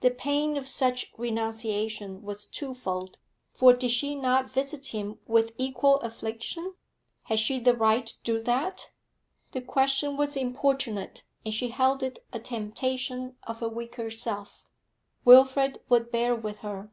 The pain of such renunciation was twofold, for did she not visit him with equal affliction? Had she the right to do that? The question was importunate, and she held it a temptation of her weaker self. Wilfrid would bear with her.